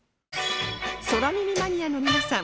空耳マニアの皆さん